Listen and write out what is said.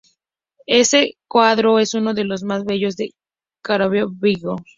Este cuadro es uno de los más bellos de Caravaggio.